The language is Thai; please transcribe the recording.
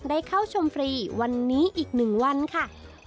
ได้เข้าชมฟรีวันนี้อีก๑วันค่ะ